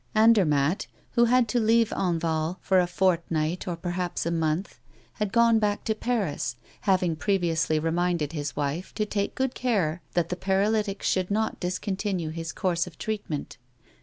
Andermatt, who had to leave Enval for a fortnight or perhaps a month, had gone back to Paris, having previously reminded his wife to take good care that the paralytic should not discontinue his course of treatment.